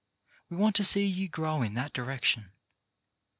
We want to see you grow in that direction.